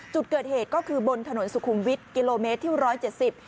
จุดเกิดเหตุก็คือบนถนนสุคุมวิทย์กิโลเมตรที่๑๗๐